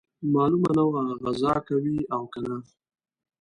معلومه نه وه غزا کوي او کنه.